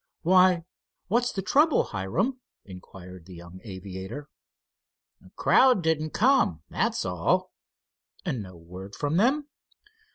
"Why, what's the trouble, Hiram?" inquired the young aviator. "Crowd didn't come, that's all." "And no word from them?"